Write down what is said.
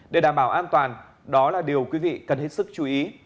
để đảm bảo an toàn đó là điều quý vị cần hết sức chú ý